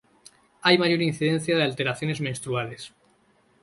Hay mayor incidencia de alteraciones menstruales.